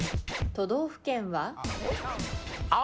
都道府県は？